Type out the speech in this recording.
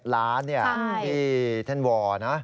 ๑๗ล้านที่เท่นวอร์นะ